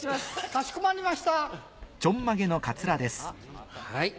かしこまりました。